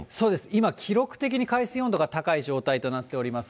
今記録的に海水温度が高い状態となってます。